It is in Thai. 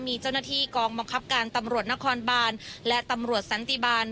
มีเจ้าหน้าที่กองบังคับการตำรวจนครบานและตำรวจสันติบาล